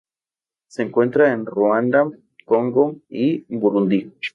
Se encuentra en Ruanda, Congo y Burundi.